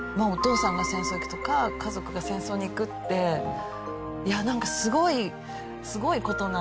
お父さんが戦争に行くとか家族が戦争に行くっていやなんかすごいすごい事。